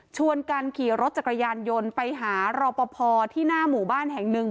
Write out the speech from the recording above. ชวนกันขี่รถจักรยานยนต์ไปหารอปภที่หน้าหมู่บ้านแห่งหนึ่ง